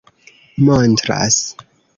montras